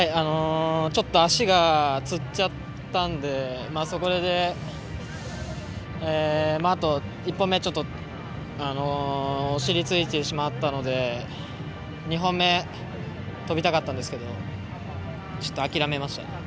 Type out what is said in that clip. ちょっと足がつっちゃったんで１本目、お尻ついてしまったので２本目、跳びたかったんですけどちょっと諦めました。